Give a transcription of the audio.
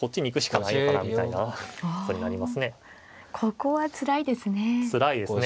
ここはつらいですね。